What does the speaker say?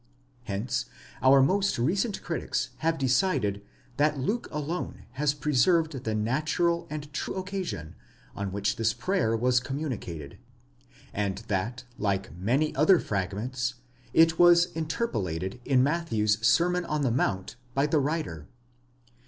Hence our most recent critics have decided that Luke alone has preserved the natural and true occasion on which this prayer was communicated, and that like many other fragments, it was interpolated in Matthew's Sermon on the Mount by the writer.